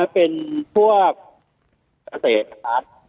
เป็นพวกเกษตรนะครับ